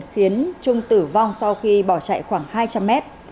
khiến trung tử vong sau khi bỏ chạy khoảng hai trăm linh mét